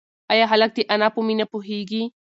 ایا هلک د انا په مینه پوهېږي؟